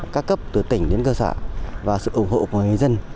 các cấp từ tỉnh đến cơ sở và sự ủng hộ của người dân